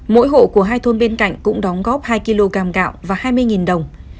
mỗi hộ của hai thôn bên cạnh cũng đóng góp hai kg cam cạo và hai mươi đồng